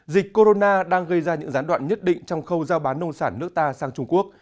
dịch corona đang gây ra những gián đoạn nhất định trong khâu giao bán nông sản nước ta sang trung quốc